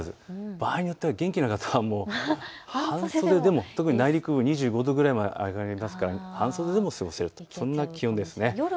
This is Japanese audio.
場合によっては元気な方は半袖でも特に内陸部２５度ぐらいまで上がりますから半袖でも過ごせる、そんな気温です。